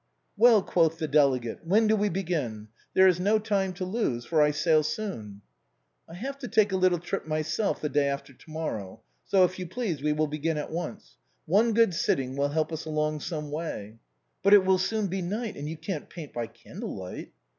" Well," quoth the delegate, " when do we begin ? There is no time to lose, for I sail soon." " I have to take a little trip myself the day after to mor 42 THE BOHEMIANS OF THE LATIN QUARTER. row: so, if you please, we will begin at once. One good sitting will help ns along some way." " But it will soon be night, and you can't paint by candle light."